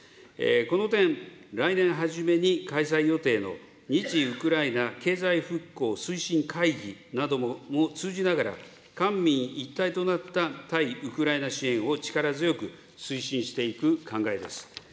この点、来年初めに開催予定の日ウクライナ経済復興推進会議なども通じながら、官民一体となった対ウクライナ支援を力強く推進していく考えです。